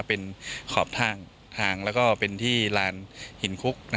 เป็นขอบทางแล้วก็เป็นที่ลานหินคุก